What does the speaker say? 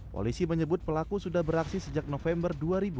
polisi menyebut pelaku sudah beraksi sejak november dua ribu dua puluh